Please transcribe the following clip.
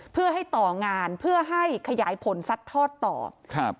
เพื่อให้ต่องานเพื่อให้ขยายผลซัดทอดต่อครับ